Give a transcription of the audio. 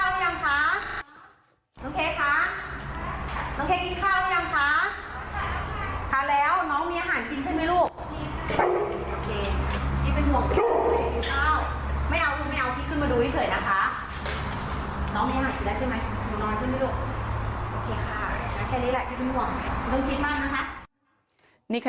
น้องเค๊กินข้าวหรือยังคะ